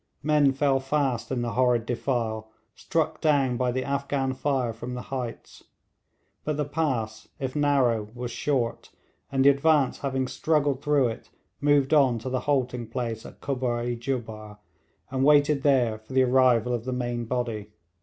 Men fell fast in the horrid defile, struck down by the Afghan fire from the heights; but the pass, if narrow, was short, and the advance having struggled through it moved on to the halting place at Kubbar i Jubbar, and waited there for the arrival of the main body.